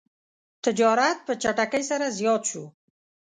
تجارت په چټکۍ سره زیات شو.